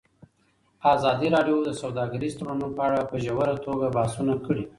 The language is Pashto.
ازادي راډیو د سوداګریز تړونونه په اړه په ژوره توګه بحثونه کړي.